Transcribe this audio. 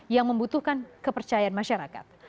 yang membutuhkan kepercayaan masyarakat